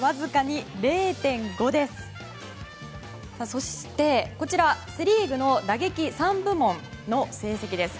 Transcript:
そして、こちらセ・リーグの打撃３部門の成績です。